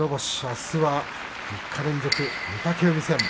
あすは３日連続、御嶽海戦。